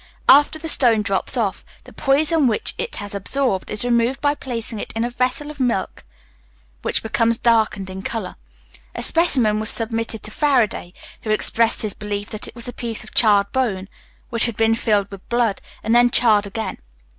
After the stone drops off, the poison which it has absorbed is removed by placing it in a vessel of milk which becomes darkened in colour. A specimen was submitted to Faraday, who expressed his belief that it was a piece of charred bone, which had been filled with blood, and then charred again.